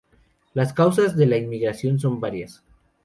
Las causas de la inmigración son varias.